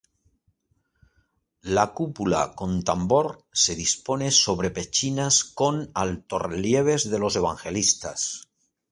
La cúpula con tambor se dispone sobre pechinas con altorrelieves de los evangelistas.